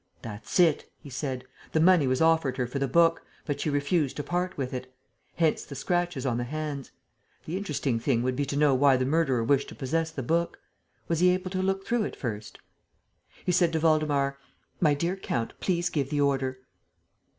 "That's it," he said. "The money was offered her for the book, but she refused to part with it. Hence the scratches on the hands. The interesting thing would be to know why the murderer wished to possess the book. Was he able to look through it first?" He said to Waldemar: "My dear count, please give the order."